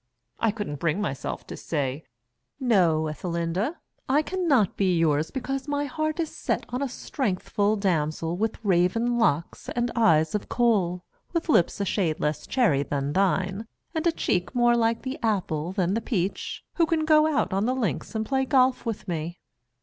I couldn't bring myself to say 'No, Ethelinda, I can not be yours because my heart is set on a strengthful damsel with raven locks and eyes of coal, with lips a shade less cherry than thine, and a cheek more like the apple than the peach, who can go out on the links and play golf with me.